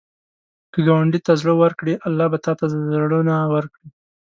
که ګاونډي ته زړه ورکړې، الله به تا ته زړونه ورکړي